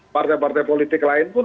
partai partai politik lain pun